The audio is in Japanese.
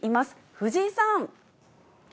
藤井さん。